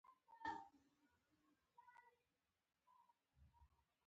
د صبر لمن د خیر زانګو ده.